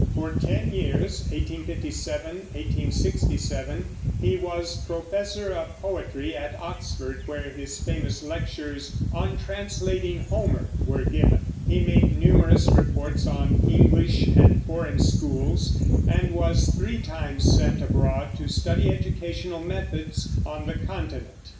For ten years (1857 1867) he was professor of poetry at Oxford, where his famous lectures On Translating Homer were given. He made numerous reports on English and foreign schools, and was three times sent abroad to study educational methods on the Continent.